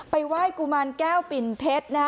ไปไหว้กุมารแก้วปิ่นเพชร